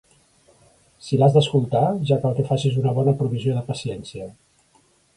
Si l'has d'escoltar, ja cal que facis una bona provisió de paciència.